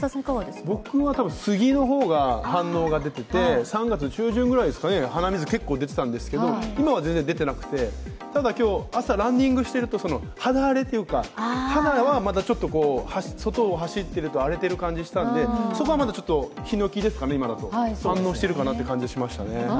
僕はスギの方が反応が出ていて３月中旬ぐらいですかね、鼻水、結構出てたんですけれども今はあまり出てなくて、ただ今日、朝、ランニングしていると肌荒れというか、肌はまだちょっと外を走っていると荒れている感じがしたんで、そこはまだちょっとヒノキですかね、今は、反応しているかなという感じがいましたね。